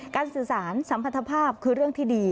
สื่อสารสัมพันธภาพคือเรื่องที่ดี